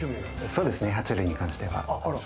そうですね、爬虫類に関しては。